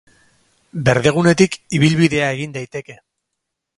Berdegunetik ibilbidea egin daiteke.